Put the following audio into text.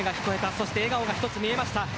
そして笑顔が見えました。